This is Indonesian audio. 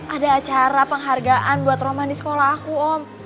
ada acara penghargaan buat roman di sekolah aku om